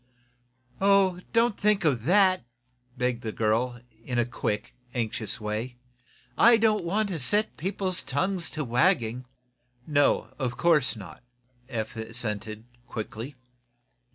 "Oh, don't think of that," begged the girl, in a quick, anxious way. "I don't want to set people's tongues to wagging." "No; of course not," Eph assented, quickly.